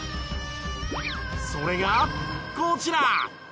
それがこちら。